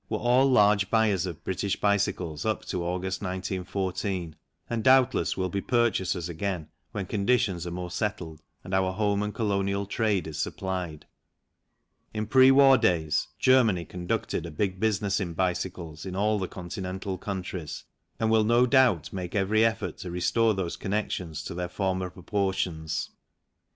were all large buyers of British bicycles up to August, 1914, and doubtless will be purchasers again when conditions are more settled and our home and colonial trade is supplied. In pre war days Germany conducted a big business in bicycles in all the Continental countries, and will no doubt make every effort to restore those connections to their former proportions.